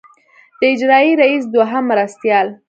د اجرائیه رییس دوهم مرستیال.